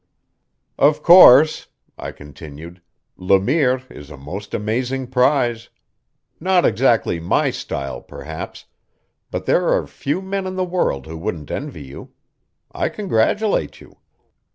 "Of course," I continued, "Le Mire is a most amazing prize. Not exactly my style perhaps, but there are few men in the world who wouldn't envy you. I congratulate you.